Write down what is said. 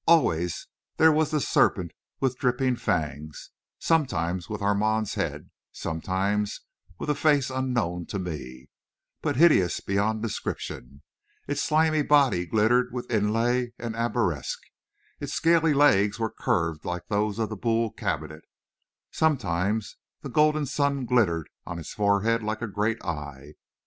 Always there was the serpent with dripping fangs, sometimes with Armand's head, sometimes with a face unknown to me, but hideous beyond description; its slimy body glittered with inlay and arabesque; its scaly legs were curved like those of the Boule cabinet; sometimes the golden sun glittered on its forehead like a great eye.